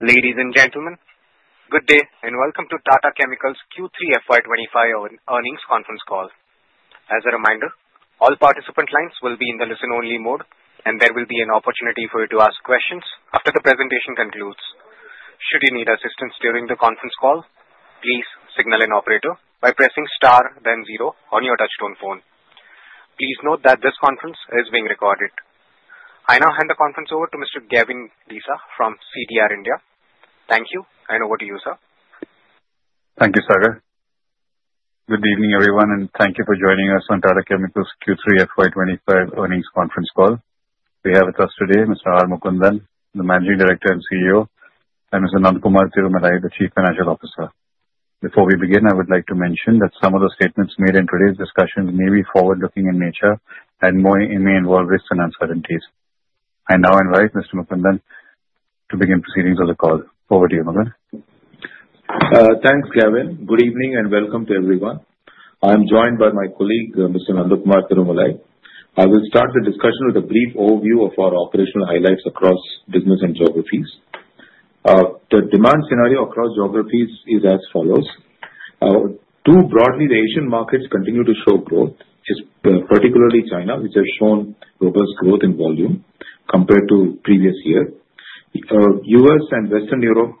Ladies and gentlemen, good day and welcome to Tata Chemicals Q3 FY25 earnings conference call. As a reminder, all participant lines will be in the listen-only mode, and there will be an opportunity for you to ask questions after the presentation concludes. Should you need assistance during the conference call, please signal an operator by pressing star, then zero on your touch-tone phone. Please note that this conference is being recorded. I now hand the conference over to Mr. Gavin Desa from CDR India. Thank you. I now hand over to you, sir. Thank you, Sagar. Good evening, everyone, and thank you for joining us on Tata Chemicals Q3 FY25 earnings conference call. We have with us today Mr. R. Mukundan, the Managing Director and CEO, and Mr. Nandakumar Tirumalai, the Chief Financial Officer. Before we begin, I would like to mention that some of the statements made in today's discussion may be forward-looking in nature and may involve risks and uncertainties. I now invite Mr. Mukundan to begin proceedings of the call. Over to you, Mukundan. Thanks, Gavin. Good evening and welcome to everyone. I'm joined by my colleague, Mr. Nandakumar Tirumalai. I will start the discussion with a brief overview of our operational highlights across business and geographies. The demand scenario across geographies is as follows. Broadly, the Asian markets continue to show growth, particularly China, which has shown robust growth in volume compared to the previous year. U.S. and Western Europe,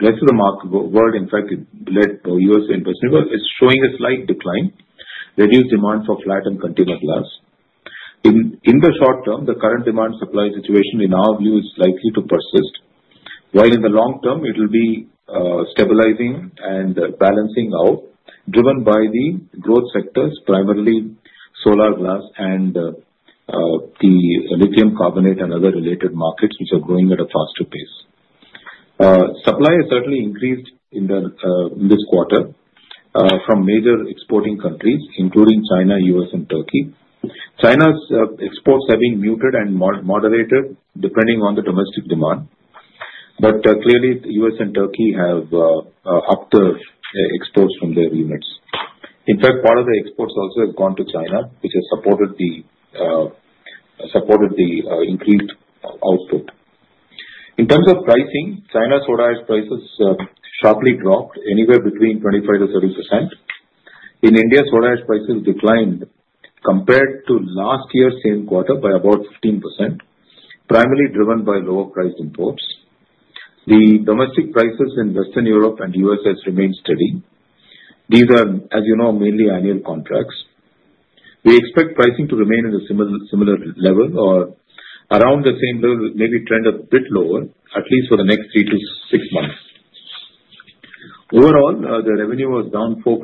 let's remark the world, in fact, led by U.S. investment, is showing a slight decline, reduced demand for flat and container glass. In the short term, the current demand-supply situation, in our view, is likely to persist, while in the long term, it will be stabilizing and balancing out, driven by the growth sectors, primarily solar glass and the lithium carbonate and other related markets, which are growing at a faster pace. Supply has certainly increased in this quarter from major exporting countries, including China, U.S., and Turkey. China's exports have been muted and moderated, depending on the domestic demand. But clearly, U.S. and Turkey have upped their exports from their units. In fact, part of the exports also have gone to China, which has supported the increased output. In terms of pricing, China's prices sharply dropped anywhere between 25%-30%. In India, soda ash prices declined compared to last year's same quarter by about 15%, primarily driven by lower-priced imports. The domestic prices in Western Europe and U.S. have remained steady. These are, as you know, mainly annual contracts. We expect pricing to remain at a similar level or around the same level, maybe trend a bit lower, at least for the next three to six months. Overall, the revenue was down 4%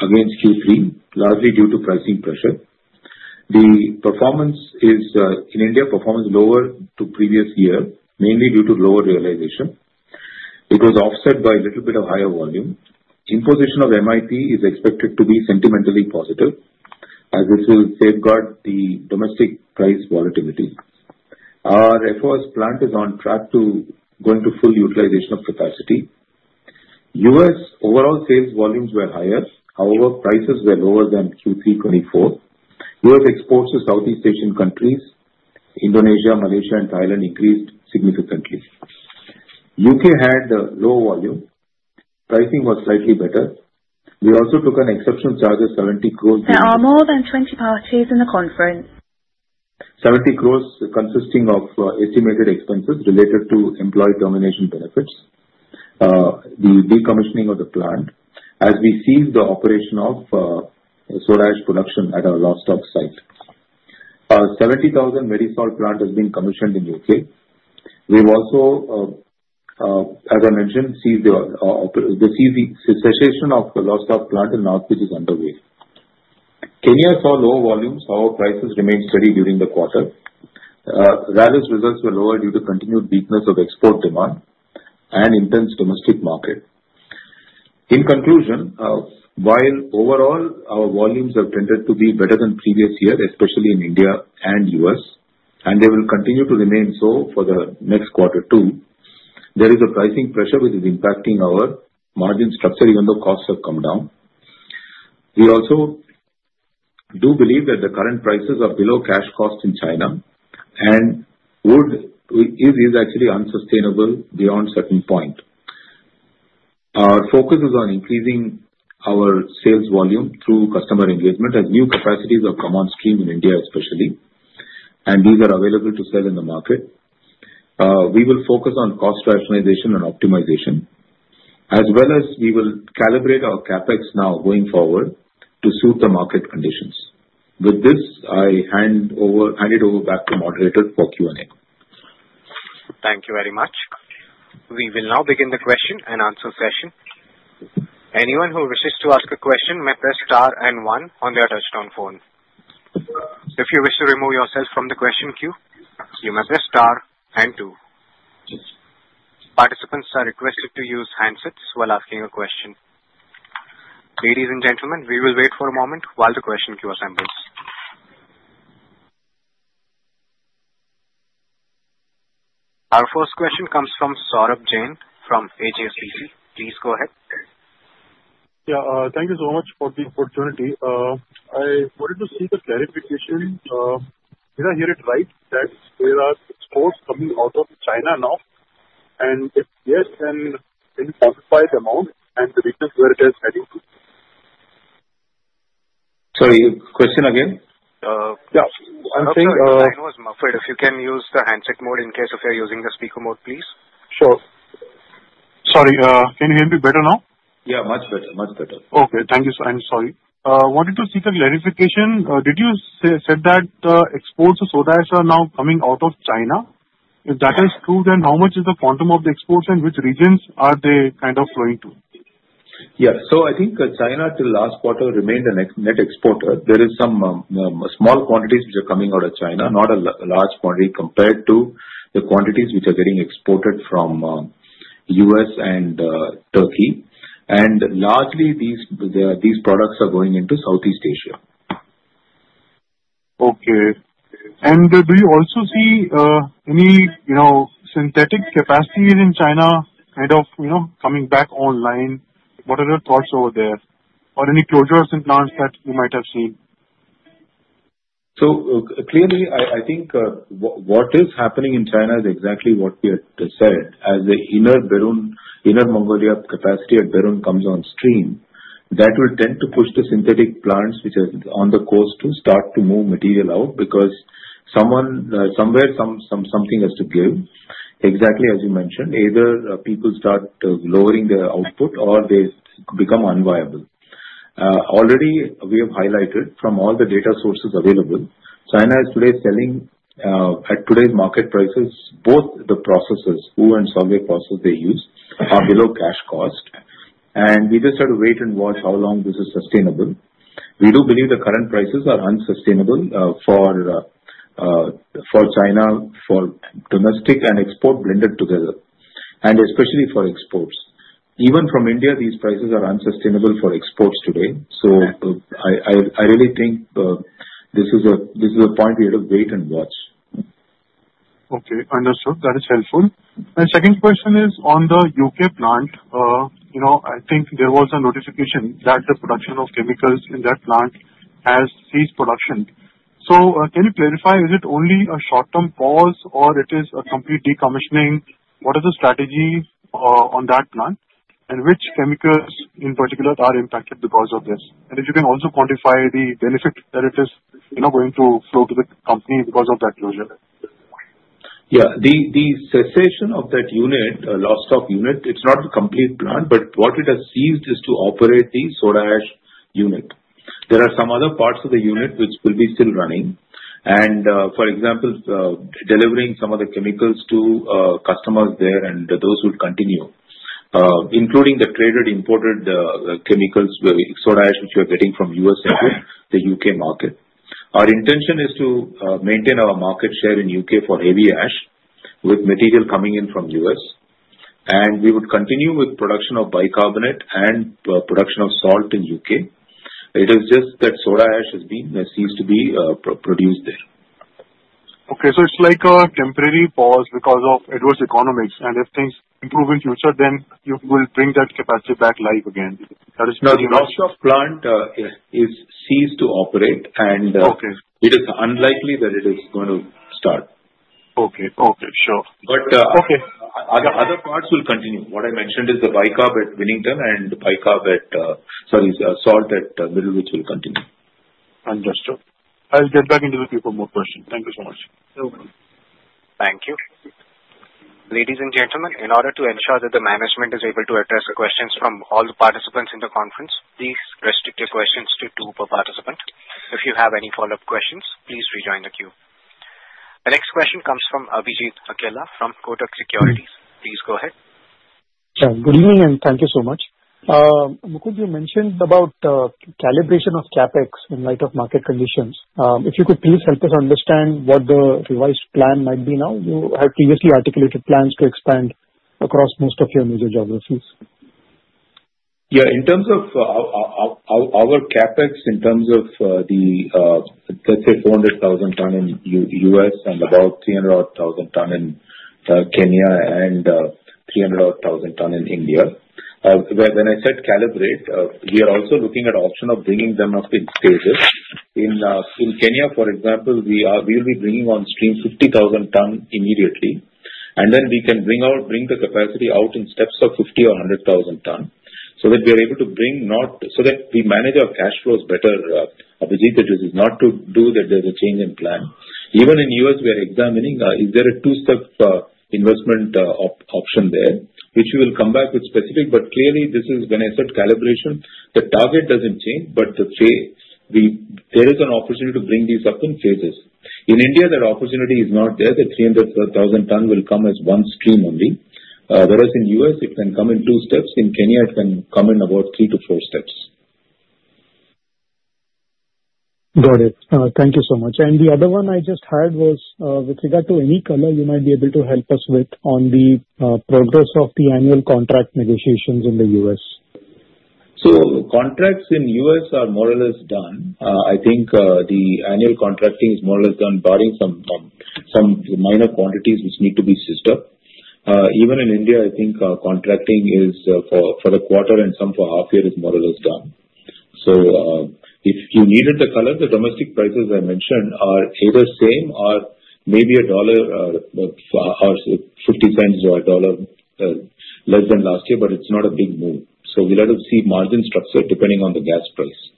against Q3, largely due to Pricing Pressure. The performance is in India, performance lower to previous year, mainly due to lower realization. It was offset by a little bit of higher volume. Imposition of MIP is expected to be sentimentally positive, as this will safeguard the domestic price volatility. Our FOS plant is on track to go into full utilization of capacity. U.S. overall sales volumes were higher. However, prices were lower than Q3 2024. U.S. exports to Southeast Asian countries, Indonesia, Malaysia, and Thailand increased significantly. U.K. had low volume. Pricing was slightly better. We also took an exceptional charge of 70 crores. There are more than 20 parties in the conference. 70 crores consisting of estimated expenses related to employee termination benefits, the decommissioning of the plant, as we see the operation of soda ash production at our Lostock site. 70,000 MT soda ash plant has been commissioned in U.K. We've also, as I mentioned, seen the cessation of the Lostock plant in Northwich, which is underway. Kenya saw low volumes; however, prices remained steady during the quarter. Rallis's results were lower due to continued weakness of export demand and intense domestic market. In conclusion, while overall our volumes have tended to be better than previous year, especially in India and U.S., and they will continue to remain so for the next quarter too, there is a Pricing Pressure which is impacting our margin structure, even though costs have come down. We also do believe that the current prices are below cash cost in China and would be actually unsustainable beyond a certain point. Our focus is on increasing our sales volume through customer engagement as new capacities have come on stream in India, especially, and these are available to sell in the market. We will focus on cost rationalization and optimization, as well as we will calibrate our CapEx now going forward to suit the market conditions. With this, I hand it over back to the moderator for Q&A. Thank you very much. We will now begin the question and answer session. Anyone who wishes to ask a question may press star and one on their touch-tone phone. If you wish to remove yourself from the question queue, you may press star and two. Participants are requested to use handsets while asking a question. Ladies and gentlemen, we will wait for a moment while the question queue assembles. Our first question comes from Saurabh Jain from HSBC. Please go ahead. Yeah, thank you so much for the opportunity. I wanted to see the clarification. Did I hear it right that there are exports coming out of China now? And if yes, then can you quantify the amount and the region where it is heading to? Sorry, question again? Yeah, I'm saying. I know it's muffled. If you can use the handset mode in case if you're using the speaker mode, please. Sure. Sorry, can you hear me better now? Yeah, much better. Much better. Okay, thank you. I'm sorry. I wanted to seek a clarification. Did you say that exports of soda ash are now coming out of China? If that is true, then how much is the quantum of the exports and which regions are they kind of flowing to? Yeah, so I think China till last quarter remained a net exporter. There are some small quantities which are coming out of China, not a large quantity compared to the quantities which are getting exported from U.S. and Turkey. And largely, these products are going into Southeast Asia. Okay. And do you also see any synthetic capacity in China kind of coming back online? What are your thoughts over there? Or any closures in plants that you might have seen? So clearly, I think what is happening in China is exactly what we had said. As the Inner Mongolia capacity at Berun comes on stream, that will tend to push the synthetic plants which are on the coast to start to move material out because somewhere something has to give. Exactly as you mentioned, either people start lowering their output or they become unviable. Already, we have highlighted from all the data sources available, China is today selling at today's market prices. Both the processes, Hou and Solvay processes they use, are below cash cost. And we just have to wait and watch how long this is sustainable. We do believe the current prices are unsustainable for China for domestic and export blended together, and especially for exports. Even from India, these prices are unsustainable for exports today. I really think this is a point we have to wait and watch. Okay, understood. That is helpful. My second question is on the UK plant. I think there was a notification that the production of chemicals in that plant has ceased production. So can you clarify, is it only a short-term pause or it is a complete decommissioning? What is the strategy on that plant? And which chemicals in particular are impacted because of this? And if you can also quantify the benefit that it is going to flow to the company because of that closure. Yeah, the cessation of that unit, Lostock unit, it's not a complete plant, but what it has ceased is to operate the soda ash unit. There are some other parts of the unit which will be still running. And for example, delivering some of the chemicals to customers there and those who will continue, including the traded imported chemicals, soda ash which we are getting from U.S. into the U.K. market. Our intention is to maintain our market share in U.K. for heavy ash with material coming in from U.S. And we would continue with production of bicarbonate and production of salt in U.K. It is just that soda ash has been ceased to be produced there. Okay, so it's like a temporary pause because of adverse economics. And if things improve in the future, then you will bring that capacity back live again. That is continuous. No, the Lostock plant has ceased to operate, and it is unlikely that it is going to start. Okay. Okay, sure. But other parts will continue. What I mentioned is the bicarb at Winnington and the bicarb at, sorry, salt at Middlewich will continue. Understood. I'll get back into the Q for more questions. Thank you so much. No problem. Thank you. Ladies and gentlemen, in order to ensure that the management is able to address the questions from all the participants in the conference, please restrict your questions to two per participant. If you have any follow-up questions, please rejoin the queue. The next question comes from Abhijit Akella from Kotak Securities. Please go ahead. Sure. Good evening and thank you so much. Mukundan, you mentioned about calibration of CapEx in light of market conditions. If you could please help us understand what the revised plan might be now? You have previously articulated plans to expand across most of your major geographies. Yeah, in terms of our CapEx, in terms of the, let's say, 400,000 ton in U.S. and about 300,000 ton in Kenya and 300,000 ton in India. When I said calibrate, we are also looking at the option of bringing them up in stages. In Kenya, for example, we will be bringing on stream 50,000 ton immediately. And then we can bring the capacity out in steps of 50 or 100,000 ton so that we are able to bring not so that we manage our cash flows better. Abhijit, it is not to do that there's a change in plan. Even in U.S., we are examining, is there a two-step investment option there, which we will come back with specific. But clearly, this is when I said calibration, the target doesn't change, but there is an opportunity to bring these up in phases. In India, that opportunity is not there. The 300,000 ton will come as one stream only. Whereas in U.S., it can come in two steps. In Kenya, it can come in about three-to-four steps. Got it. Thank you so much. And the other one I just heard was with regard to any color you might be able to help us with on the progress of the annual contract negotiations in the U.S. So contracts in U.S. are more or less done. I think the annual contracting is more or less done, barring some minor quantities which need to be sistered. Even in India, I think contracting is for the quarter and some for half year is more or less done. So if you needed the color, the domestic prices I mentioned are either same or maybe $1 or $0.50-$1 less than last year, but it's not a big move. So we'll have to see margin structure depending on the gas price.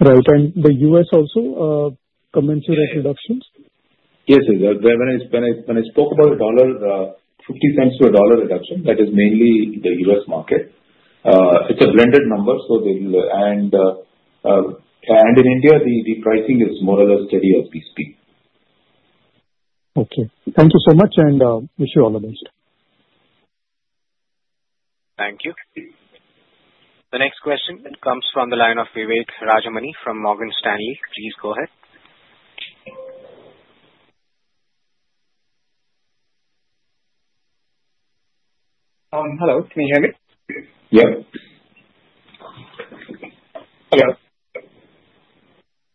Right, and the U.S. also commenced reductions? Yes, yes. When I spoke about a $1, $0.50-$1 reduction, that is mainly the U.S. market. It's a blended number. And in India, the pricing is more or less steady as we speak. Okay. Thank you so much, and wish you all the best. Thank you. The next question comes from the line of Vivek Rajamani from Morgan Stanley. Please go ahead. Hello. Can you hear me? Yeah,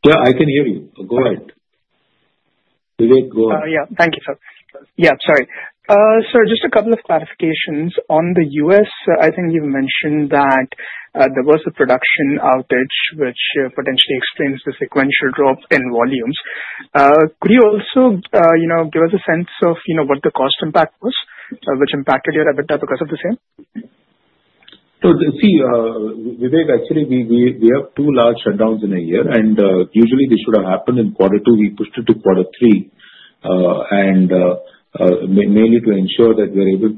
I can hear you. Go ahead, Vivek. Go ahead. Yeah, thank you, sir. Yeah, sorry. Sir, just a couple of clarifications. On the U.S., I think you've mentioned that there was a production outage, which potentially explains the sequential drop in volumes. Could you also give us a sense of what the cost impact was, which impacted your EBITDA because of the same? So, see, Vivek, actually, we have two large shutdowns in a year. And usually, this should have happened in quarter two. We pushed it to quarter three, mainly to ensure that we are able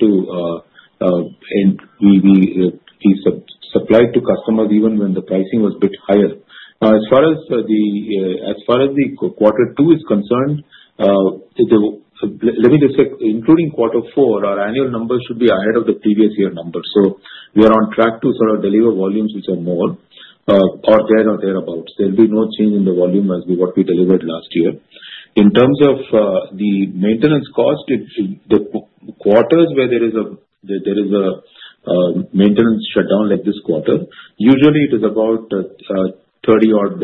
to supply to customers even when the pricing was a bit higher. As far as the quarter two is concerned, let me just say, including quarter four, our annual numbers should be ahead of the previous year numbers. So we are on track to sort of deliver volumes which are more or thereabouts. There'll be no change in the volume as to what we delivered last year. In terms of the maintenance cost, the quarters where there is a maintenance shutdown like this quarter, usually it is about 30-odd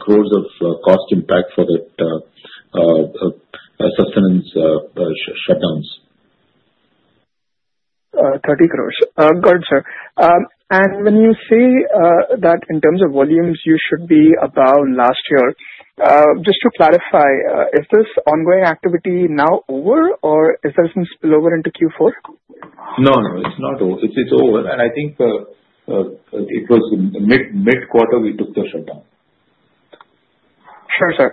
crores of cost impact for the sustenance shutdowns. 30 crores. Got it, sir. And when you say that in terms of volumes, you should be about last year, just to clarify, is this ongoing activity now over, or is there some spillover into Q4? No, no, it's not over. It's over. And I think it was mid-quarter we took the shutdown. Sure, sir.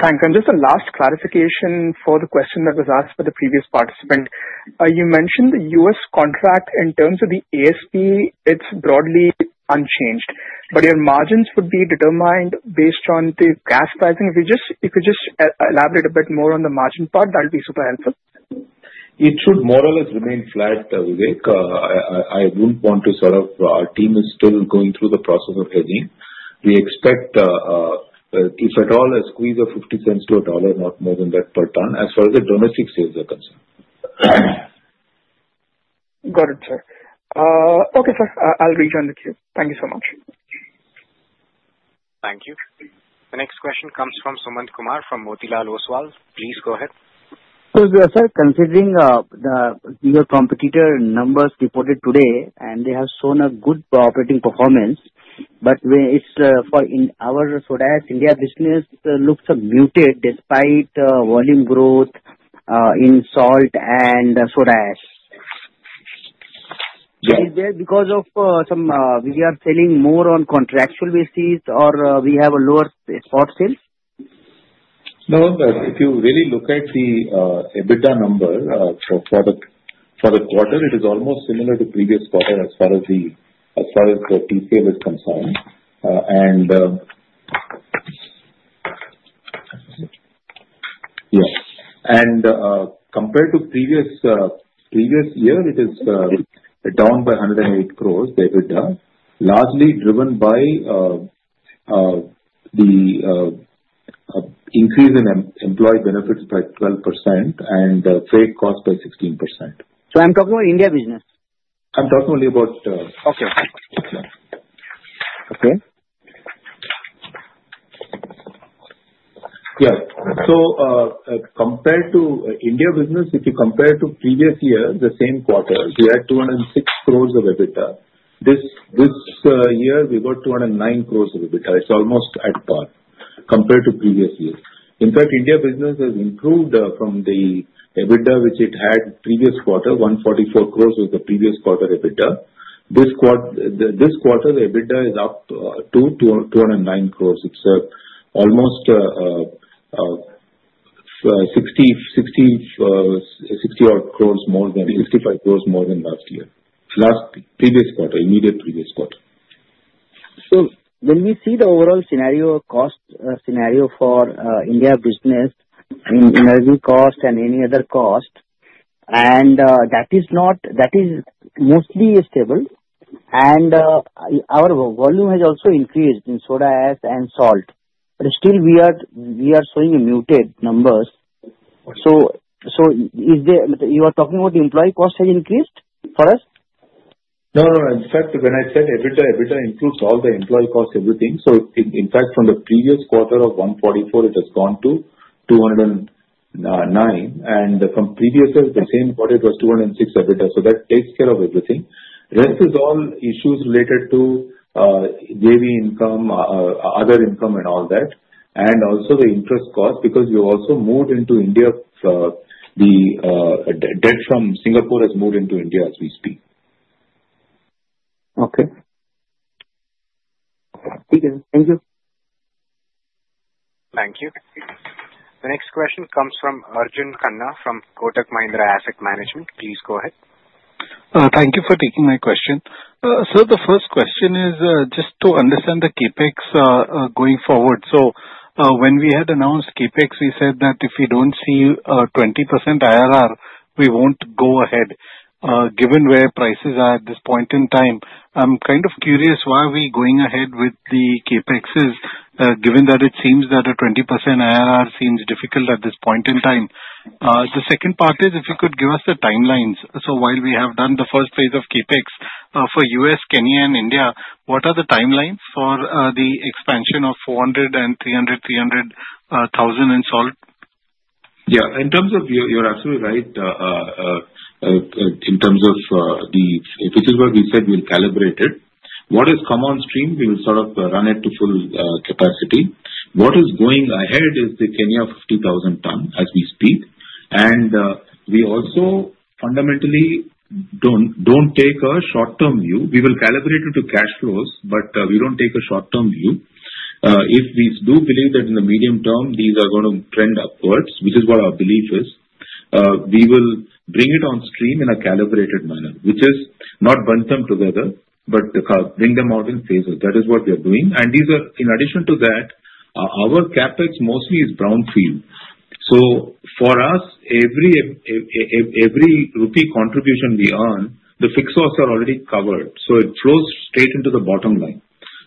Thanks. And just a last clarification for the question that was asked for the previous participant. You mentioned the US contract in terms of the ASP, it's broadly unchanged. But your margins would be determined based on the gas pricing. If you could just elaborate a bit more on the margin part, that would be super helpful. It should more or less remain flat, Vivek. I wouldn't want to sort of our team is still going through the process of hedging. We expect, if at all, a squeeze of $0.50-$1.00, not more than that per ton as far as the domestic sales are concerned. Got it, sir. Okay, sir. I'll rejoin the queue. Thank you so much. Thank you. The next question comes from Sumant Kumar from Motilal Oswal. Please go ahead. Sir, considering your competitor numbers reported today, and they have shown a good operating performance, but our soda ash India business looks muted despite volume growth in salt and soda ash. Is that because of some we are selling more on contractual basis, or we have a lower spot sale? No, sir, if you really look at the EBITDA number for the quarter, it is almost similar to previous quarter as far as the TCM is concerned. And yeah. And compared to previous year, it is down by 108 crores, the EBITDA, largely driven by the increase in employee benefits by 12% and fixed cost by 16%. So I'm talking about India business? I'm talking only about. Okay. Okay? Yeah. So compared to India business, if you compare to previous year, the same quarter, we had 206 crores of EBITDA. This year, we got 209 crores of EBITDA. It's almost at par compared to previous years. In fact, India business has improved from the EBITDA which it had previous quarter, 144 crores was the previous quarter EBITDA. This quarter, the EBITDA is up to 209 crores. It's almost 60-odd crores more than 65 crores more than last year, last previous quarter, immediate previous quarter. So when we see the overall scenario, cost scenario for India business, energy cost, and any other cost, and that is mostly stable. And our volume has also increased in soda ash and salt. But still, we are showing muted numbers. So you are talking about employee cost has increased for us? No, no, no. In fact, when I said EBITDA, EBITDA includes all the employee cost, everything. So in fact, from the previous quarter of 144, it has gone to 209. And from previous year, the same quarter was 206 EBITDA. So that takes care of everything. Rest is all issues related to JV income, other income, and all that. And also the interest cost, because we also moved into India, the debt from Singapore has moved into India as we speak. Okay. Thank you. Thank you. The next question comes from Arjun Khanna from Kotak Mahindra Asset Management. Please go ahead. Thank you for taking my question. Sir, the first question is just to understand the CapEx going forward. So when we had announced CapEx, we said that if we don't see 20% IRR, we won't go ahead. Given where prices are at this point in time, I'm kind of curious why are we going ahead with the CapExes, given that it seems that a 20% IRR seems difficult at this point in time. The second part is if you could give us the timelines. So while we have done the first phase of CapEx for US, Kenya, and India, what are the timelines for the expansion of 400 and 300, 300,000 in salt? Yeah. In terms of, you're absolutely right. In terms of the, which is what we said we'll calibrate it. What is come on stream, we will sort of run it to full capacity. What is going ahead is the Kenya 50,000-ton as we speak. And we also fundamentally don't take a short-term view. We will calibrate it to cash flows, but we don't take a short-term view. If we do believe that in the medium term, these are going to trend upwards, which is what our belief is, we will bring it on stream in a calibrated manner, which is not bundle them together, but bring them out in phases. That is what we are doing. And in addition to that, our CapEx mostly is brownfield. So for us, every rupee contribution we earn, the fixed costs are already covered. So it flows straight into the bottom line.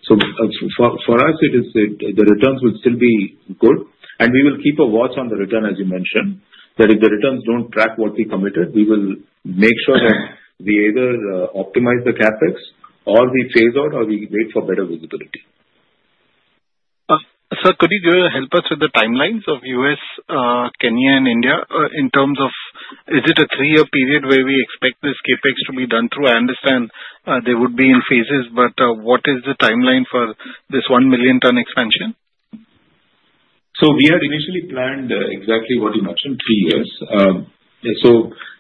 So for us, the returns will still be good. And we will keep a watch on the return, as you mentioned, that if the returns don't track what we committed, we will make sure that we either optimize the CapEx or we phase out or we wait for better visibility. Sir, could you help us with the timelines of US, Kenya, and India in terms of is it a three-year period where we expect this CapEx to be done through? I understand there would be in phases, but what is the timeline for this one million ton expansion? We had initially planned exactly what you mentioned, three years.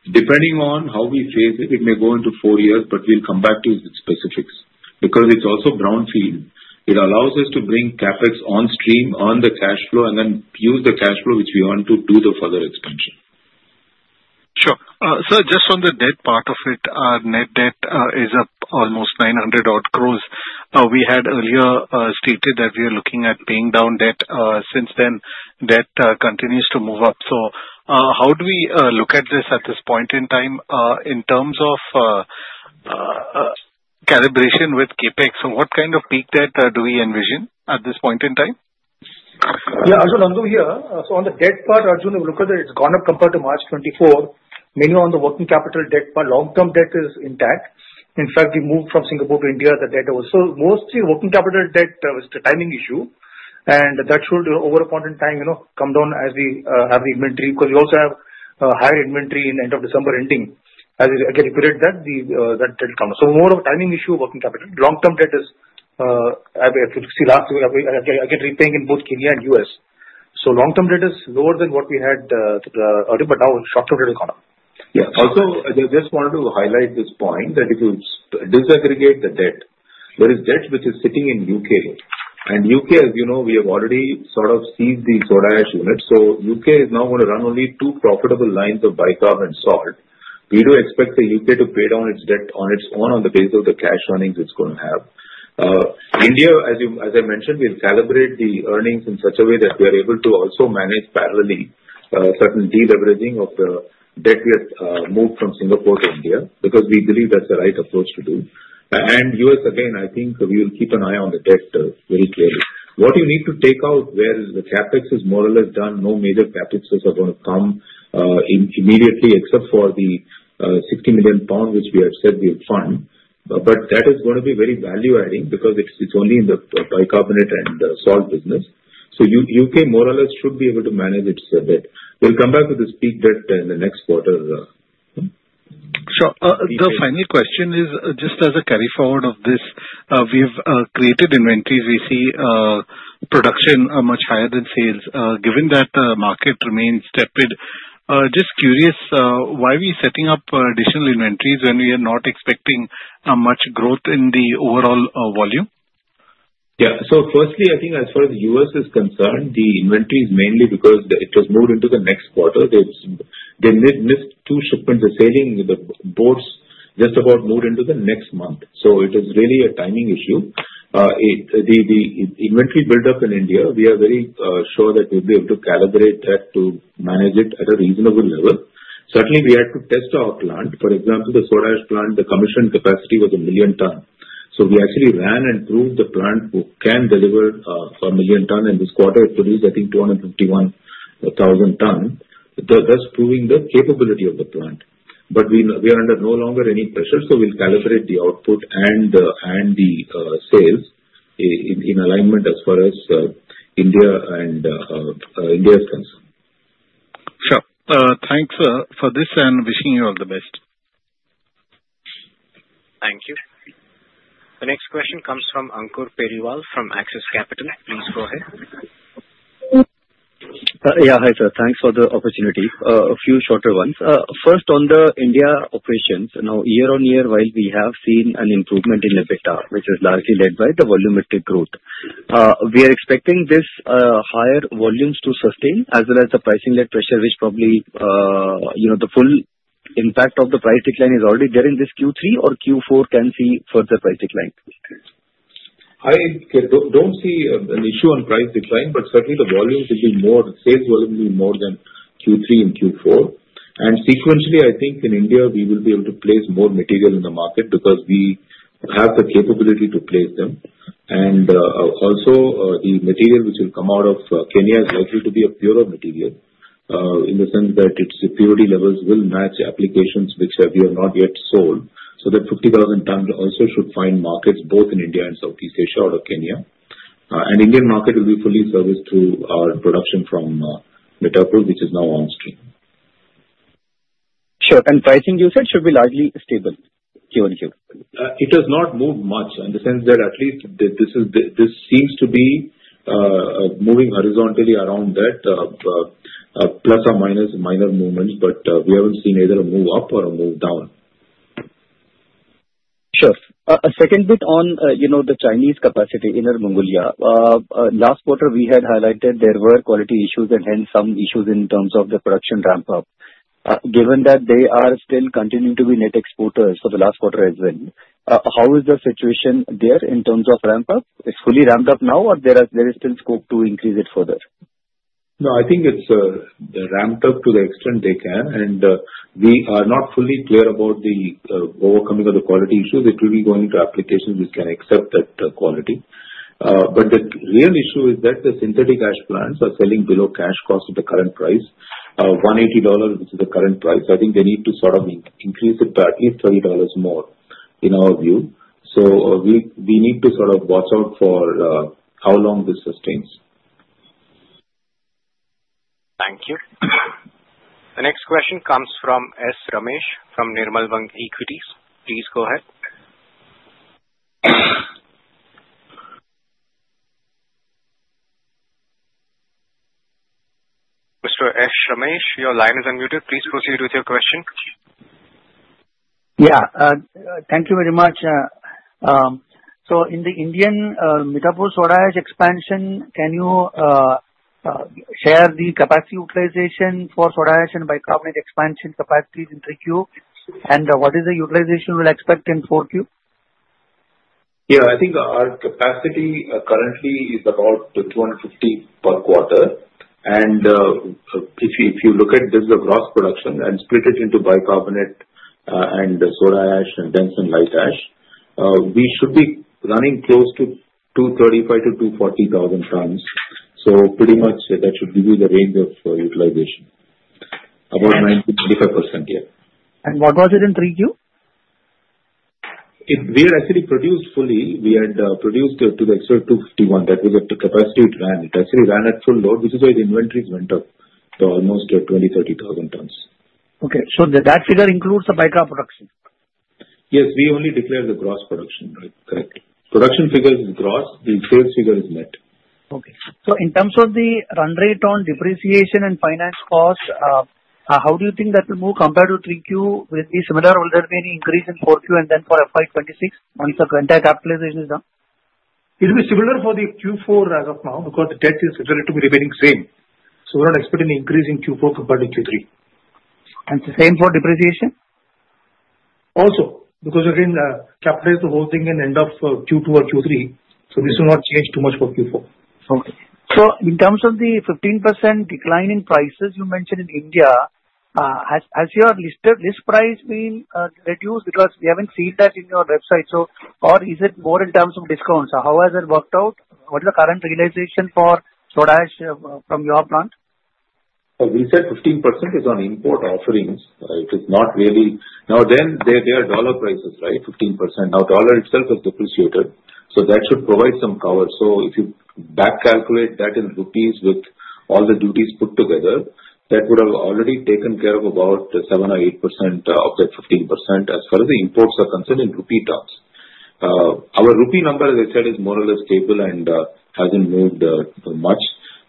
Depending on how we phase it, it may go into four years, but we'll come back to specifics because it's also brownfield. It allows us to bring CapEx on stream, on the cash flow, and then use the cash flow which we want to do the further expansion. Sure. Sir, just on the debt part of it, our net debt is almost 900-odd crores. We had earlier stated that we are looking at paying down debt. Since then, debt continues to move up. So how do we look at this at this point in time in terms of calibration with CapEx? So what kind of peak debt do we envision at this point in time? Yeah, Arjun, I'll go here. So on the debt part, Arjun, if you look at it, it's gone up compared to March 2024, mainly on the working capital debt, but long-term debt is intact. In fact, we moved from Singapore to India, the debt was mostly working capital debt. It was the timing issue. And that should, over a point in time, come down as we have the inventory because we also have higher inventory in the end of December ending. As you can expect that, that debt will come down. So more of a timing issue, working capital. Long-term debt is, if you see last year, we're repaying in both Kenya and U.S. So long-term debt is lower than what we had earlier, but now short-term debt will come up. Yeah. Also, I just wanted to highlight this point that if you disaggregate the debt, there is debt which is sitting in U.K. And U.K., as you know, we have already sort of ceased the soda ash unit. So U.K. is now going to run only two profitable lines of bicarb and salt. We do expect the U.K. to pay down its debt on its own on the basis of the cash earnings it's going to have. India, as I mentioned, we'll calibrate the earnings in such a way that we are able to also manage parallelly certain deleveraging of the debt we have moved from Singapore to India because we believe that's the right approach to do. And U.S., again, I think we will keep an eye on the debt very clearly. What you need to take out where the CapEx is more or less done, no major CapExes are going to come immediately except for the 60 million pound which we have said we will fund. But that is going to be very value-adding because it's only in the bicarbonate and salt business. So U.K. more or less should be able to manage its debt. We'll come back to this peak debt in the next quarter. Sure. The final question is just as a carry forward of this. We have created inventories. We see production much higher than sales. Given that the market remains tepid, just curious why are we setting up additional inventories when we are not expecting much growth in the overall volume? Yeah. So, firstly, I think as far as U.S. is concerned, the inventory is mainly because it has moved into the next quarter. They missed two sailings. The boats just about moved into the next month. So it is really a timing issue. The inventory buildup in India, we are very sure that we'll be able to calibrate that to manage it at a reasonable level. Certainly, we had to test our plant. For example, the soda ash plant, the commissioned capacity was a million ton. So we actually ran and proved the plant can deliver a million ton. And this quarter, it produced, I think, 251,000 ton, thus proving the capability of the plant. But we are no longer under any pressure. So we'll calibrate the output and the sales in alignment as far as India is concerned. Sure. Thanks for this and wishing you all the best. Thank you. The next question comes from Ankur Perival from Axis Capital. Please go ahead. Yeah. Hi, sir. Thanks for the opportunity. A few shorter ones. First, on the India operations, now year on year, while we have seen an improvement in EBITDA, which is largely led by the volumetric growth, we are expecting these higher volumes to sustain as well as the pricing-led pressure, which probably the full impact of the price decline is already there in this Q3, or Q4 can see further price decline. I don't see an issue on price decline, but certainly the volumes will be more, sales volume will be more than Q3 and Q4. Sequentially, I think in India, we will be able to place more material in the market because we have the capability to place them. Also, the material which will come out of Kenya is likely to be a pure material in the sense that its purity levels will match applications which we have not yet sold. That 50,000 tons also should find markets both in India and Southeast Asia out of Kenya. The Indian market will be fully serviced through our production from Mithapur, which is now on stream. Sure, and pricing, you said, should be largely stable Q and Q. It has not moved much in the sense that at least this seems to be moving horizontally around that, plus or minus minor movements, but we haven't seen either a move up or a move down. Sure. A second bit on the Chinese capacity, Inner Mongolia. Last quarter, we had highlighted there were quality issues and hence some issues in terms of the production ramp-up. Given that they are still continuing to be net exporters for the last quarter as well, how is the situation there in terms of ramp-up? It's fully ramped up now, or there is still scope to increase it further? No, I think it's ramped up to the extent they can. And we are not fully clear about the overcoming of the quality issues. It will be going to applications which can accept that quality. But the real issue is that the synthetic ash plants are selling below cash cost at the current price, $180, which is the current price. I think they need to sort of increase it to at least $30 more in our view. So we need to sort of watch out for how long this sustains. Thank you. The next question comes from S. Ramesh from Nirmal Bang Equities. Please go ahead. Mr. S. Ramesh, your line is unmuted. Please proceed with your question. Yeah. Thank you very much. So in the Indian Mithapur soda ash expansion, can you share the capacity utilization for soda ash and bicarbonate expansion capacities in Q3, and what is the utilization we'll expect in Q4? Yeah. I think our capacity currently is about 250 per quarter. And if you look at this as a gross production and split it into bicarbonate and soda ash and dense and light ash, we should be running close to 235,000-240,000 tons. So pretty much that should give you the range of utilization, about 90%-95%, yeah. What was it in Q3? We had actually produced fully. We had produced to the extra 251. That was at the capacity it ran. It actually ran at full load, which is why the inventories went up to almost 20-30,000 tons. Okay. So that figure includes the bicarb production? Yes. We only declare the gross production, right? Correct. Production figure is gross. The sales figure is net. Okay. In terms of the run rate on depreciation and finance cost, how do you think that will move compared to Q3? Will it be similar? Will there be any increase in Q4 and then for FY26 once the entire capitalization is done? It will be similar for Q4 as of now because the debt is relatively remaining same. So we're not expecting any increase in Q4 compared to Q3. The same for depreciation? Also, because again, capitalize the whole thing at the end of Q2 or Q3. So this will not change too much for Q4. Okay. So in terms of the 15% decline in prices you mentioned in India, has your list price been reduced? Because we haven't seen that in your website. So or is it more in terms of discounts? How has it worked out? What is the current realization for soda ash from your plant? We said 15% is on import offerings. It is not really now, then there are dollar prices, right? 15%. Now, dollar itself has depreciated. So that should provide some cover. So if you back calculate that in rupees with all the duties put together, that would have already taken care of about 7 or 8% of that 15% as far as the imports are concerned in rupee terms. Our rupee number, as I said, is more or less stable and hasn't moved much.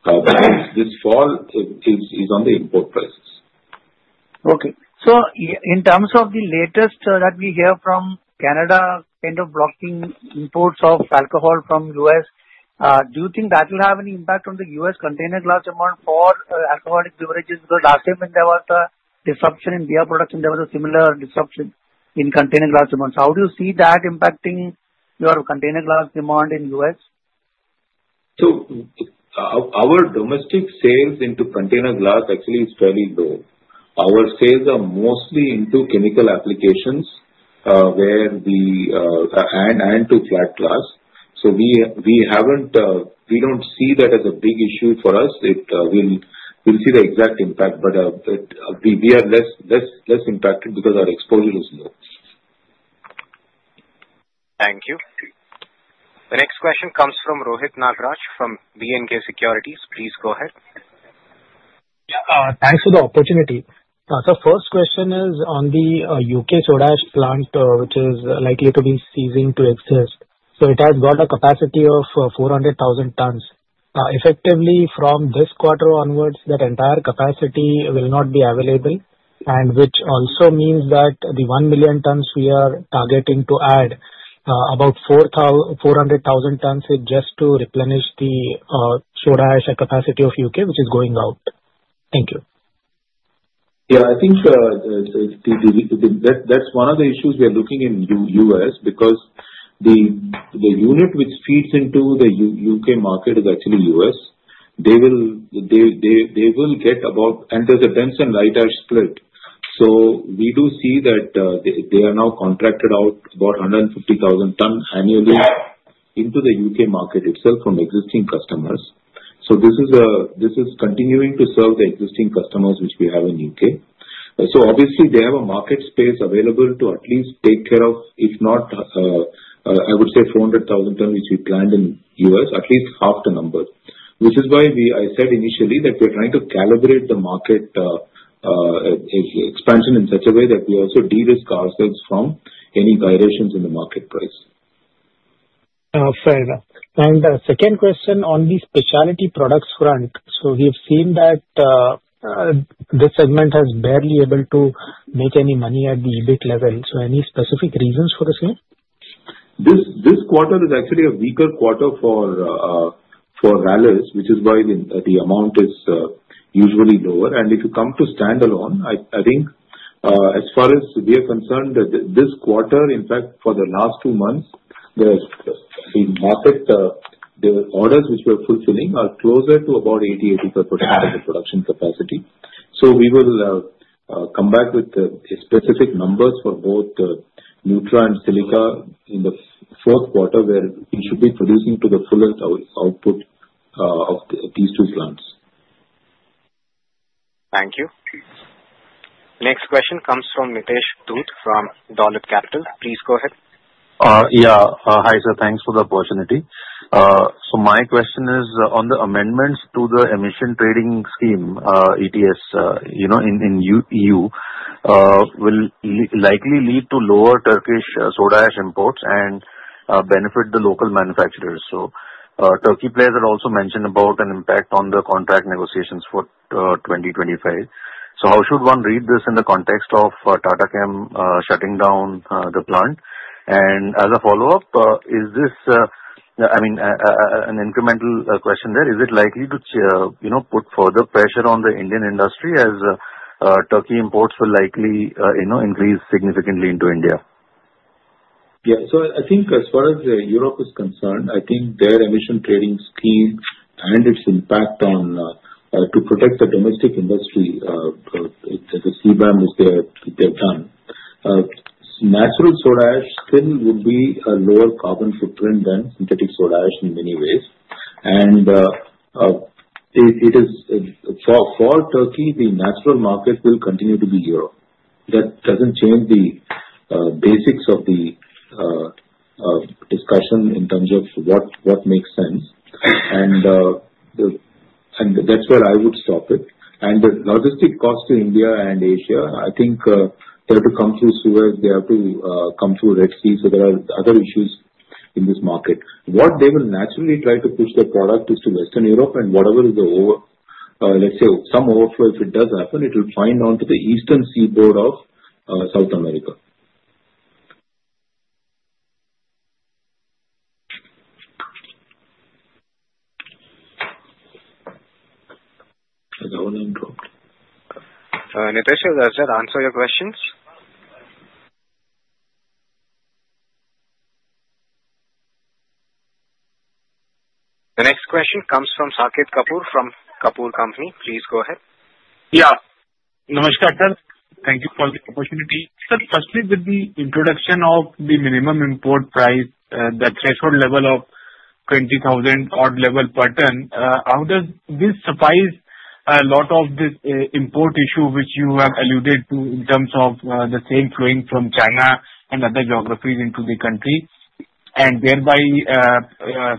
But this fall is on the import prices. Okay. So in terms of the latest that we hear from Canada kind of blocking imports of alcohol from U.S., do you think that will have any impact on the U.S. container glass demand for alcoholic beverages? Because last time when there was a disruption in beer production, there was a similar disruption in container glass demand. So how do you see that impacting your container glass demand in U.S.? So our domestic sales into container glass actually is fairly low. Our sales are mostly into chemical applications and to flat glass. So we don't see that as a big issue for us. We'll see the exact impact, but we are less impacted because our exposure is low. Thank you. The next question comes from Rohit Nagraj from B&K Securities. Please go ahead. Yeah. Thanks for the opportunity. So first question is on the U.K. soda ash plant, which is likely to be ceasing to exist. So it has got a capacity of 400,000 tons. Effectively, from this quarter onwards, that entire capacity will not be available, which also means that the one million tons we are targeting to add about 400,000 tons is just to replenish the soda ash capacity of U.K., which is going out. Thank you. Yeah. I think that's one of the issues we are looking in US because the unit which feeds into the UK market is actually US. They will get about and there's a dense and light ash split. So we do see that they are now contracted out about 150,000 tons annually into the UK market itself from existing customers. So this is continuing to serve the existing customers which we have in UK. So obviously, they have a market space available to at least take care of, if not, I would say 400,000 tons which we planned in US, at least half the number, which is why I said initially that we're trying to calibrate the market expansion in such a way that we also de-risk ourselves from any violations in the market price. Fair enough. And second question on the specialty products front. So we have seen that this segment has barely able to make any money at the EBIT level. So any specific reasons for the same? This quarter is actually a weaker quarter for Rallis, which is why the amount is usually lower, and if you come to standalone, I think as far as we are concerned, this quarter, in fact, for the last two months, the market orders which we are fulfilling are closer to about 80%-85% of the production capacity, so we will come back with specific numbers for both neutral and silica in the fourth quarter where we should be producing to the fullest output of these two plants. Thank you. Next question comes from Nitesh Dhoot from Dolat Capital. Please go ahead. Yeah. Hi, sir. Thanks for the opportunity. So my question is on the amendments to the emissions trading scheme, ETS in EU, will likely lead to lower Turkish soda ash imports and benefit the local manufacturers. So Turkey players had also mentioned about an impact on the contract negotiations for 2025. So how should one read this in the context of Tata Chem shutting down the plant? And as a follow-up, is this I mean, an incremental question there. Is it likely to put further pressure on the Indian industry as Turkey imports will likely increase significantly into India? Yeah. So I think as far as Europe is concerned, I think their emissions trading scheme and its impact to protect the domestic industry, the CBAM is their tool. Natural soda ash still would be a lower carbon footprint than synthetic soda ash in many ways. And for Turkey, the natural market will continue to be Europe. That doesn't change the basics of the discussion in terms of what makes sense. And that's where I would stop it. And the logistic cost to India and Asia, I think they have to come through Suez. They have to come through Red Sea. So there are other issues in this market. What they will naturally try to push their product is to Western Europe. And whatever is the, let's say, some overflow, if it does happen, it will find onto the eastern seaboard of South America. Nitesh has answered your questions. The next question comes from Saket Kapoor from Kapur & Co. Please go ahead. Yeah. Namaskar. Thank you for the opportunity. Sir, firstly, with the introduction of the minimum import price, the threshold level of 20,000 odd level per ton, how does this suffice a lot of this import issue which you have alluded to in terms of the same flowing from China and other geographies into the country and thereby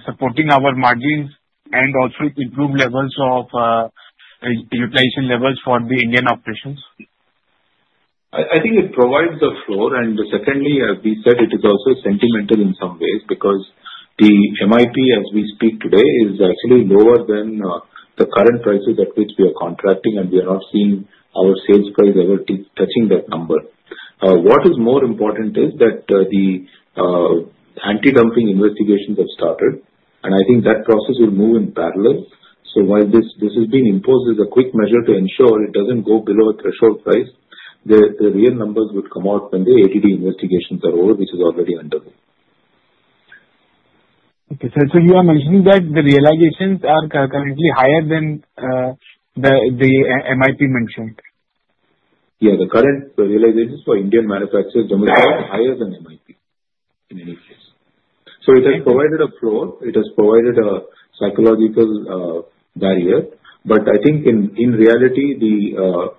supporting our margins and also improve levels of utilization levels for the Indian operations? I think it provides the floor. And secondly, as we said, it is also sentimental in some ways because the MIP as we speak today is actually lower than the current prices at which we are contracting, and we are not seeing our sales price ever touching that number. What is more important is that the anti-dumping investigations have started. And I think that process will move in parallel. So while this is being imposed as a quick measure to ensure it doesn't go below a threshold price, the real numbers would come out when the ADD investigations are over, which is already underway. Okay, so you are mentioning that the realizations are currently higher than the MIP mentioned. Yeah. The current realizations for Indian manufacturers are higher than MIP in any case. So it has provided a floor. It has provided a psychological barrier. But I think in reality, the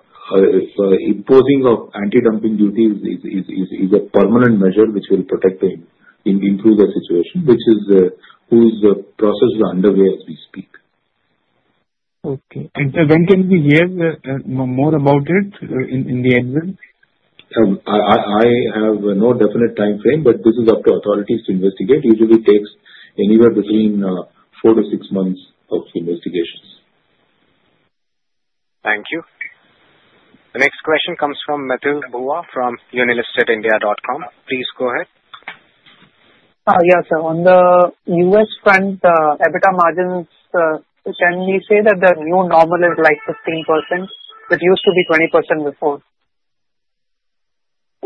imposing of anti-dumping duties is a permanent measure which will protect and improve the situation, which process is underway as we speak. Okay, and when can we hear more about it in the end? I have no definite time frame, but this is up to authorities to investigate. Usually, it takes anywhere between four to six months of investigations. Thank you. The next question comes from Maitry Bhua from UnlistedIndia.com. Please go ahead. Yeah, sir. On the US front, EBITDA margins, can we say that the new normal is like 15%? It used to be 20% before.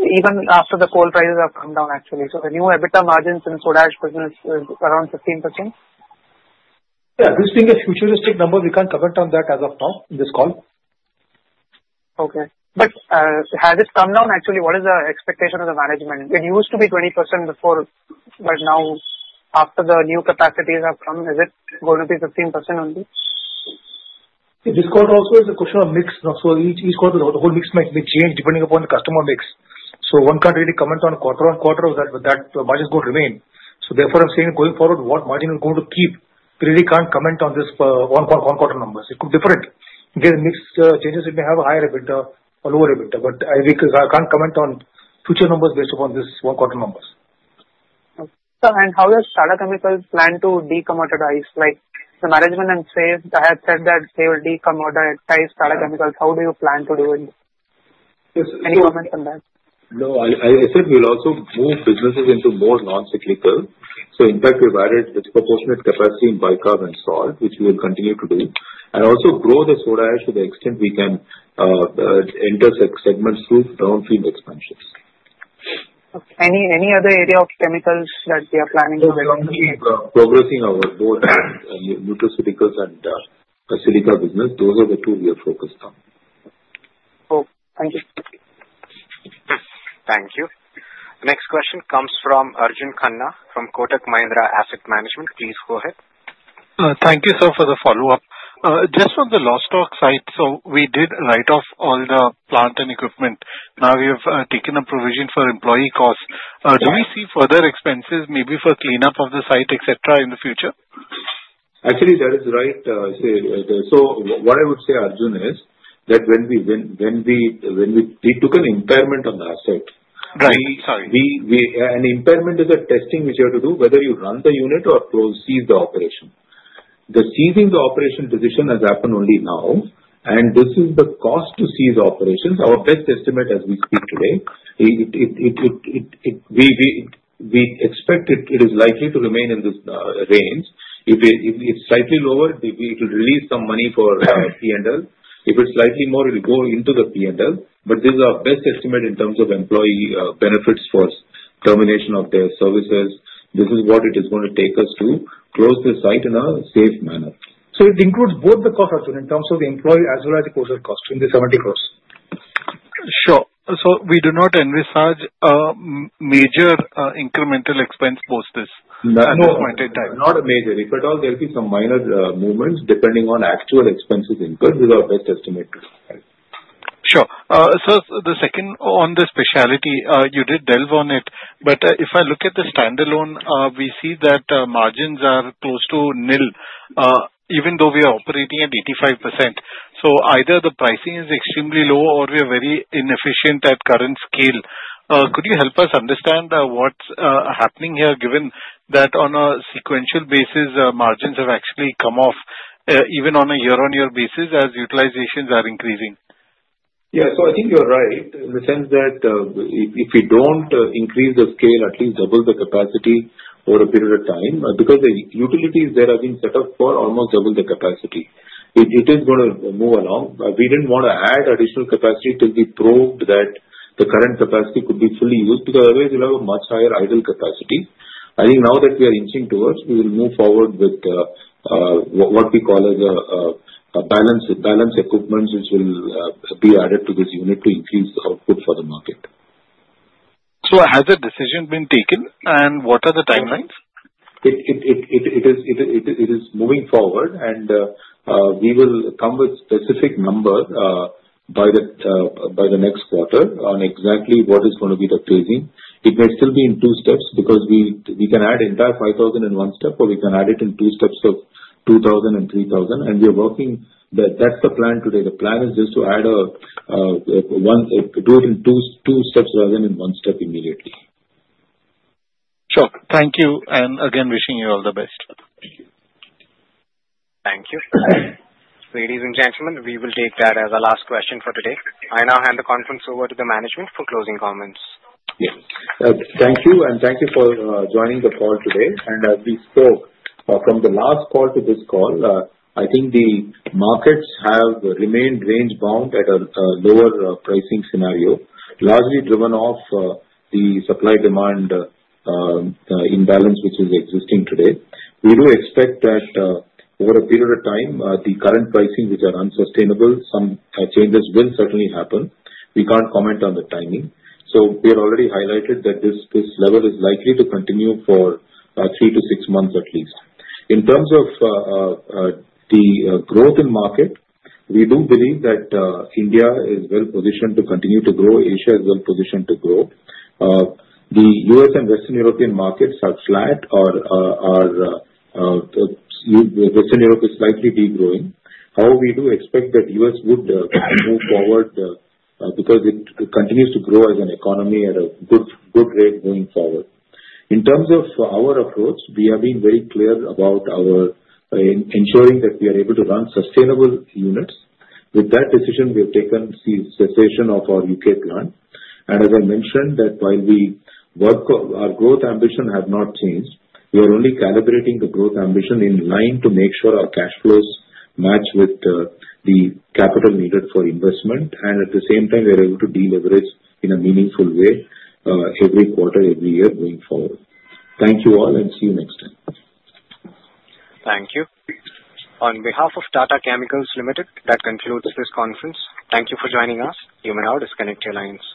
Even after the coal prices have come down, actually. So the new EBITDA margin in the soda ash business is around 15%? Yeah. This being a futuristic number, we can't comment on that as of now in this call. Okay. But has it come down? Actually, what is the expectation of the management? It used to be 20% before, but now, after the new capacities have come, is it going to be 15% only? This quarter also is a question of mix. So each quarter, the whole mix may change depending upon the customer mix. So one can't really comment on quarter on quarter that the margins will remain. So therefore, I'm saying going forward, what margin we're going to keep, we really can't comment on these one-quarter numbers. It could be different. Again, mixed changes, it may have a higher EBITDA or lower EBITDA. But I can't comment on future numbers based upon these one-quarter numbers. Okay. And how does Tata Chemicals plan to decommoditize? The management, I had said that they will decommoditize Tata Chemicals. How do you plan to do it? Any comments on that? No. I said we'll also move businesses into more non-cyclical. So in fact, we've added disproportionate capacity in bicarb and salt, which we will continue to do, and also grow the soda ash to the extent we can enter segments through brownfield expansions. Okay. Any other area of chemicals that you are planning to do? We're going to keep progressing our both nutraceutical silica and silica business. Those are the two we are focused on. Okay. Thank you. Thank you. The next question comes from Arjun Khanna from Kotak Mahindra Asset Management. Please go ahead. Thank you, sir, for the follow-up. Just on the Lostock side, so we did write off all the plant and equipment. Now, we have taken a provision for employee costs. Do we see further expenses maybe for cleanup of the site, etc., in the future? Actually, that is right. So what I would say, Arjun, is that when we took an impairment on the asset. Right. Sorry. An impairment is a testing which you have to do, whether you run the unit or cease the operation. The ceasing the operation decision has happened only now. And this is the cost to cease operations. Our best estimate as we speak today, we expect it is likely to remain in this range. If it's slightly lower, it will release some money for P&L. If it's slightly more, it will go into the P&L. But this is our best estimate in terms of employee benefits for termination of their services. This is what it is going to take us to close the site in a safe manner. So it includes both the cost, Arjun, in terms of the employment as well as the capital cost in the INR 70 crores? Sure. So we do not envisage major incremental expense post this at this point in time. Not a major. If at all, there will be some minor movements depending on actual expenses incurred. This is our best estimate too. Sure. Sir, the second on the specialty, you did delve on it. But if I look at the standalone, we see that margins are close to nil, even though we are operating at 85%. So either the pricing is extremely low or we are very inefficient at current scale. Could you help us understand what's happening here, given that on a sequential basis, margins have actually come off, even on a year-on-year basis as utilizations are increasing? Yeah. So I think you're right in the sense that if we don't increase the scale, at least double the capacity over a period of time, because the utilities that have been set up for almost double the capacity, it is going to move along. We didn't want to add additional capacity till we proved that the current capacity could be fully used because otherwise, we'll have a much higher idle capacity. I think now that we are inching towards, we will move forward with what we call as a balancing equipment, which will be added to this unit to increase the output for the market. So has a decision been taken, and what are the timelines? It is moving forward, and we will come with a specific number by the next quarter on exactly what is going to be the phasing. It may still be in two steps because we can add entire 5,000 in one step, or we can add it in two steps of 2,000 and 3,000. We are working on that. That's the plan today. The plan is just to add and do it in two steps rather than in one step immediately. Sure. Thank you. And again, wishing you all the best. Thank you. Thank you. Ladies and gentlemen, we will take that as a last question for today. I now hand the conference over to the management for closing comments. Yes. Thank you. And thank you for joining the call today. And as we spoke from the last call to this call, I think the markets have remained range-bound at a lower pricing scenario, largely driven off the supply-demand imbalance which is existing today. We do expect that over a period of time, the current pricing, which are unsustainable, some changes will certainly happen. We can't comment on the timing. So we had already highlighted that this level is likely to continue for three to six months at least. In terms of the growth in market, we do believe that India is well positioned to continue to grow. Asia is well positioned to grow. The U.S. and Western European markets are flat, or Western Europe is slightly degrowing. However, we do expect that the U.S. would move forward because it continues to grow as an economy at a good rate going forward. In terms of our approach, we have been very clear about ensuring that we are able to run sustainable units. With that decision, we have taken cessation of our U.K. plant. And as I mentioned, that while our growth ambition has not changed, we are only calibrating the growth ambition in line to make sure our cash flows match with the capital needed for investment. And at the same time, we are able to deleverage in a meaningful way every quarter, every year going forward. Thank you all, and see you next time. Thank you. On behalf of Tata Chemicals Limited, that concludes this conference. Thank you for joining us. You may now disconnect your lines.